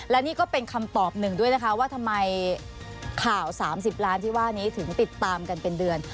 และนี่ก็เป็นคำตอบหนึ่งด้วยนะคะว่าทำไมข่าว๓๐ล้านที่ว่านี้ถึงติดตามกันเป็นเดือน